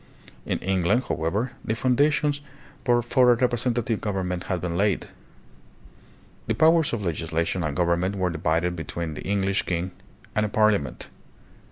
In England, however, the foundations for a representa tive government had been laid. The powers of legislation and government were divided between the English king ,' and a Parliament.